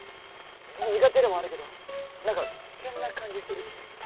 苦手でもあるけど何か危険な感じするし。